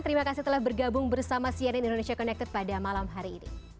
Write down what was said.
terima kasih telah bergabung bersama cnn indonesia connected pada malam hari ini